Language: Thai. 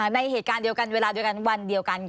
ในเหตุการณ์เดียวกันเวลาเดียวกันวันเดียวกัน